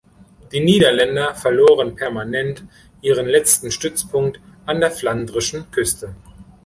Die Niederländer verloren permanent ihren letzten Stützpunkt an der flandrischen Küste.